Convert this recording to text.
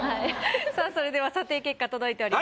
さぁそれでは査定結果届いております。